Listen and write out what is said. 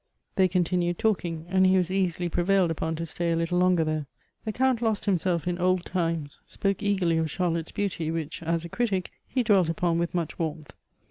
They continued talking, and lie was easily prevailed upon to stay a little longer there. The Count lost himself in old times, spoke eagerly of Charlotte's beauty, which, as a critic, he dwelt upon with much warmth.